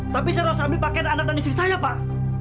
tapi saya harus ambil pakaian anak dan istri saya pak